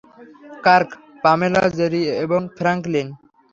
Kirk, Pamela, Jerry এবং Franklin.